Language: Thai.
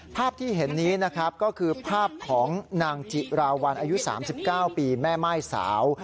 ภาพที่เห็นนี้นะครับก็คือภาพของนางจิราวัลอายุ๓๙ปีแม่ม่ายสาว